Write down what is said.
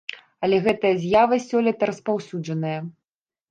Але гэтая з'ява сёлета распаўсюджаная.